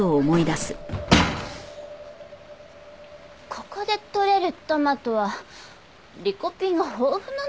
ここでとれるトマトはリコピンが豊富なのよね。